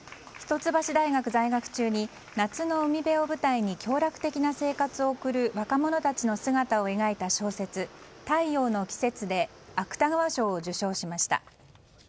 一橋大学在学中に夏の海辺を舞台に享楽的な生活を送る若者たちの姿を描いた小説「太陽の季節」で芥川賞を受賞しました。